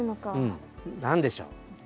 うん。何でしょう？